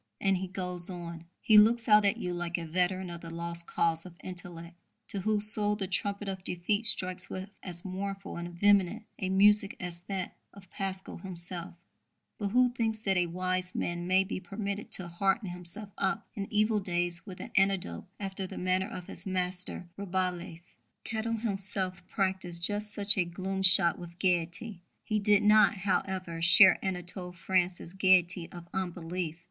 And he goes on: He looks out at you like a veteran of the lost cause of intellect, to whose soul the trumpet of defeat strikes with as mournful and vehement a music as to that of Pascal himself, but who thinks that a wise man may be permitted to hearten himself up in evil days with an anecdote after the manner of his master Rabelais. Kettle himself practised just such a gloom shot with gaiety. He did not, however, share Anatole France's gaiety of unbelief.